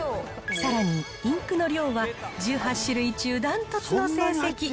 さらにインクの量は１８種類中ダントツの成績。